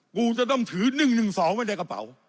กูจะต้องถือ๑๑๒ไว้ในกระเป๋า